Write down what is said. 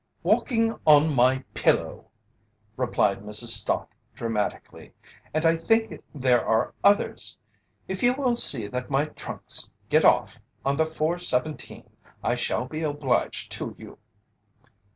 "Walking on my pillow!" replied Mrs. Stott, dramatically. "And I think there are others! If you will see that my trunks get off on the 4:17 I shall be obliged to you."